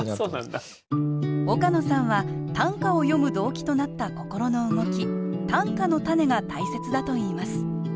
岡野さんは短歌を詠む動機となった心の動き短歌のたねが大切だといいます。